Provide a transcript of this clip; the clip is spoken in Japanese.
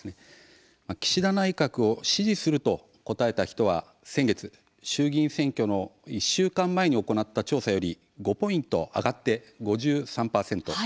岸田内閣を支持すると答えた人は先月、衆議院選挙の１週間前に行った調査より５ポイント上がって５３％。